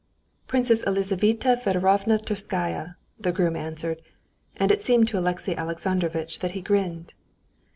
"Princess Elizaveta Federovna Tverskaya," the groom answered, and it seemed to Alexey Alexandrovitch that he grinned.